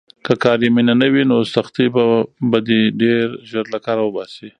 که کاري مینه نه وي، نو سختۍ به دې ډېر ژر له کاره وباسي.